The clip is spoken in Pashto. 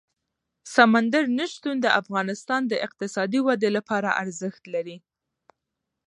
سمندر نه شتون د افغانستان د اقتصادي ودې لپاره ارزښت لري.